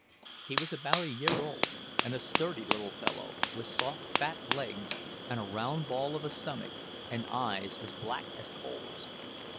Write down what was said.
He was about a year old, and a sturdy little fellow, with soft fat legs, and a round ball of a stomach, and eyes as black as coals.